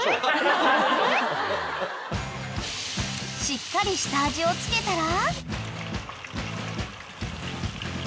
［しっかり下味をつけたら］